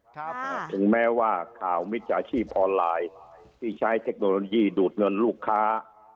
ถึงแม้ว่าข่าวมิจฉาชีพออนไลน์ที่ใช้เทคโนโลยีดูดเงินลูกค้า